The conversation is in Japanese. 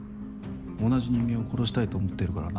同じ人間を殺したいと思ってるからな。